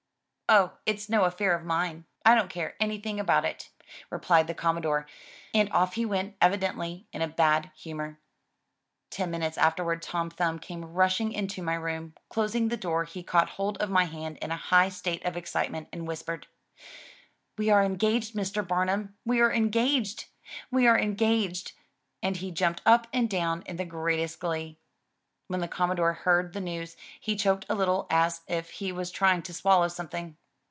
'' "Oh, it's no affair of mine! I don't care anything about it," replied the Commodore and off he went evidently in a bad humor. Ten minutes afterward Tom Thumb came rushing into my room. Closing the door he caught hold of my hand in a high state of excitement and whispered: "We are engaged, Mr. Bamum! We are engaged! We are engaged," and he jumped up and down in the greatest glee. When the Commodore heard the news he choked a little as if he was trying to swallow something.